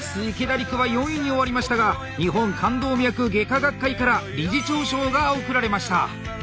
陸は４位に終わりましたが日本冠動脈外科学会から理事長賞が贈られました。